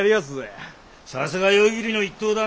さすが夜霧ノ一党だね。